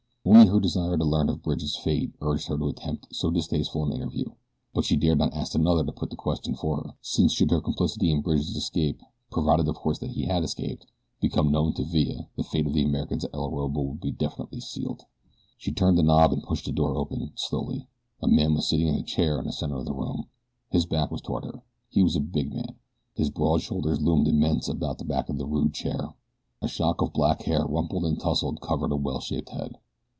Only her desire to learn of Bridge's fate urged her to attempt so distasteful an interview; but she dared not ask another to put the question for her, since should her complicity in Bridge's escape provided of course that he had escaped become known to Villa the fate of the Americans at El Orobo would be definitely sealed. She turned the knob and pushed the door open, slowly. A man was sitting in a chair in the center of the room. His back was toward her. He was a big man. His broad shoulders loomed immense above the back of the rude chair. A shock of black hair, rumpled and tousled, covered a well shaped head.